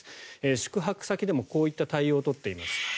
宿泊先でもこういった対応を取っています。